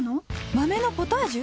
豆のポタージュ！？